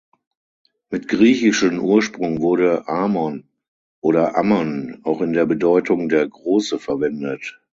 Mit griechischem Ursprung wurde "Amon" oder "Ammon" auch in der Bedeutung „der Große“ verwendet.